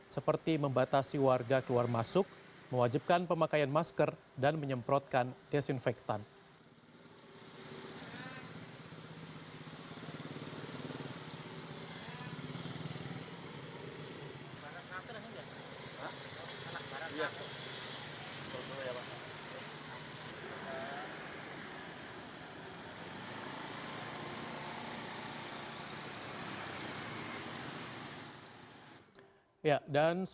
seperti membatasi warga keluar masuk mewajibkan pemakaian masker dan menyemprotkan desinfektan